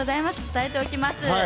伝えておきます。